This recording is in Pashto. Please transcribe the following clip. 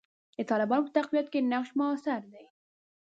د طالبانو په تقویت کې نقش موثر دی.